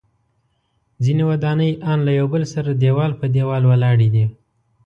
ځینې ودانۍ ان له یو بل سره دیوال په دیوال ولاړې دي.